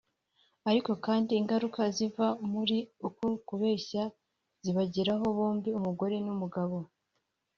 ariko kandi ingaruka ziva muri uko kubeshya zibageraho bombi umugore n’umugabo